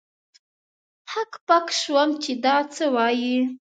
هک پک سوم چې دا څه وايي.